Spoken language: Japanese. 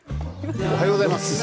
おはようございます。